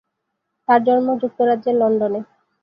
তার জন্ম যুক্তরাজ্যের লন্ডনে।